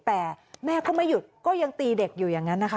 แต่แม่ก็ไม่หยุดก็ยังตีเด็กอยู่อย่างนั้นนะคะ